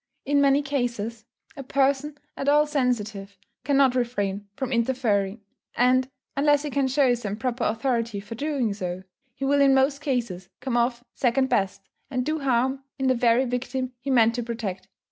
In many cases, a person at all sensitive cannot refrain from interfering; and, unless he can show some proper authority for so doing, he will in most cases come off second best, and do harm to the very victim he meant to protect.